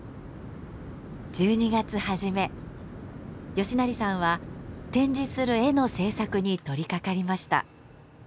嘉成さんは展示する絵の制作に取りかかりました。